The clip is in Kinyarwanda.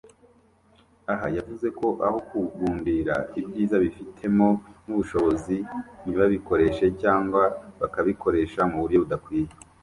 Aha yavuze ko aho kugundira ibyiza bifitemo n’ubushobozi ntibabikoreshe cyangwa bakabikoresha mu buryo budakwiye